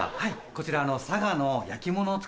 こちら。